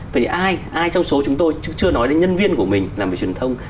vậy thì ai ai trong số chúng tôi chưa nói đến nhân viên của mình làm về truyền thông